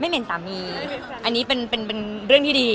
เหม็นสามีอันนี้เป็นเรื่องที่ดี